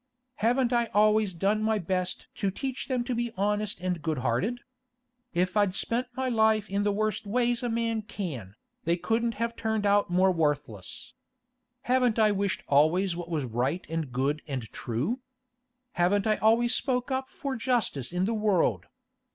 Haven't I always done my best to teach them to be honest and good hearted? If I'd spent my life in the worst ways a man can, they couldn't have turned out more worthless. Haven't I wished always what was right and good and true? Haven't I always spoke up for justice in the world?